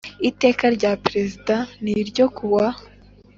Iteka rya perezida n ryo kuwa